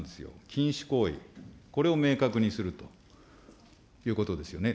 禁止行為、これを明確にするということですよね。